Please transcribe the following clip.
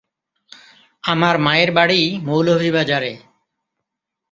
আমার মায়ের বাড়ি মৌলভীবাজারে।